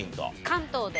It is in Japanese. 関東で。